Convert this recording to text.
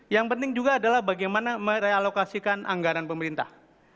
yang penting juga adalah bagaimana merealokasikan anggaran pemerintah